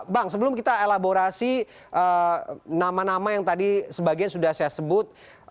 bang sebelum kita elaborasi nama nama yang tadi sebagian sudah saya sebut